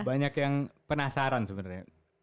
banyak yang penasaran sebenarnya